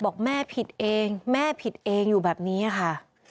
บอกแม่ผิดเองแม่ผิดเองอยู่แบบนี้ค่ะ